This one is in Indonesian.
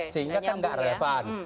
sehingga kan enggak relevan